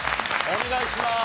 お願いします。